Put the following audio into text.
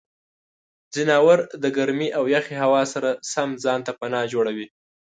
ځناور د ګرمې او یخې هوا سره سم ځان ته پناه جوړوي.